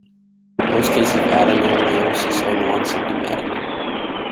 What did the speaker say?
Most cases of adenomyosis are non-symptomatic.